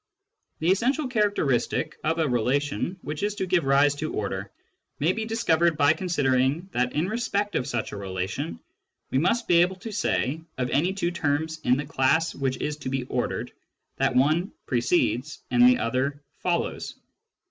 The essential characteristics of a relation which is to give rise to order may be discovered by considering that in respect of such a relation we must be able to say, of any two terms in 6 the class which is to be ordered, that one " precedes " and the other " follows."